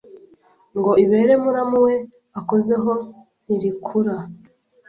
ngo ibere muramu we akozeho ntirikura